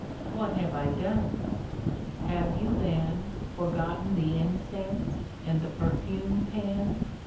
"What have I done?" "Have you, then, forgotten the in cense and the perfume pan?